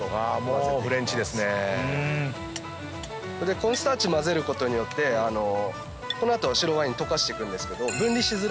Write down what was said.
コーンスターチ混ぜることによってこの後白ワイン溶かしていくんですけど。